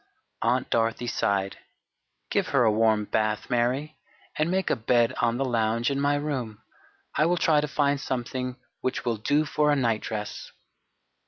Aunt Dorothy sighed, "Give her a warm bath, Mary, and make a bed on the lounge in my room. I will try to find something which will do for a nightdress."